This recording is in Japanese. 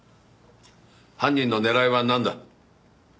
犯人の狙いはなんだ？